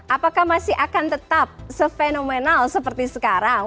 apakah masih akan tetap se fenomenal seperti sekarang